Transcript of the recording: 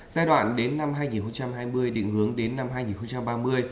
giai đoạn đến năm hai nghìn hai mươi định hướng đến năm hai nghìn ba mươi